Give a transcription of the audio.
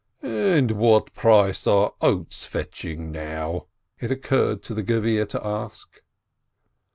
"What price are oats fetching now?" it occurred to the Gevir to ask.